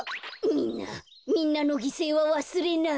みんなのぎせいはわすれない。